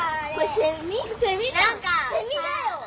セミだよ。